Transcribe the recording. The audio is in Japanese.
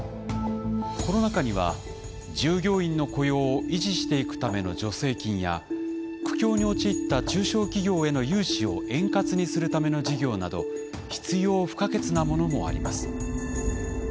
この中には従業員の雇用を維持していくための助成金や苦境に陥った中小企業への融資を円滑にするための事業など必要不可欠なものもあります。